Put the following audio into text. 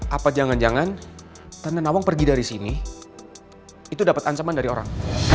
apa jangan jangan tanah nawang pergi dari sini itu dapat ancaman dari orang